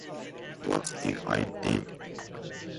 What if I did?